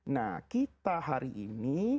nah kita hari ini